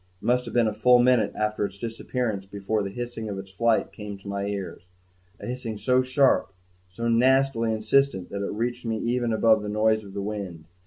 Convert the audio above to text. It must have been a full minute after its disappearance before the hissing of its flight came to my ears a hissing so sharp, so nastily insistent that it reached me even above the noise of the wind.